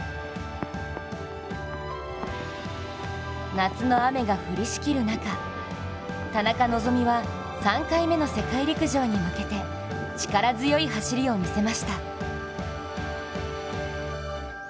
夏の雨が降りしきる中、田中希実は３回目の世界陸上に向けて力強い走りを見せました。